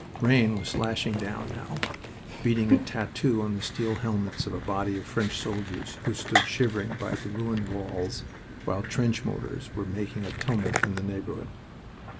Rain was slashing down now, beating a tattoo on the steel helmets of a body of French soldiers who stood shivering by the ruined walls while trench mortars were making a tumult in the neighborhood.